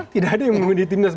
tidak ada yang mengunjung timnas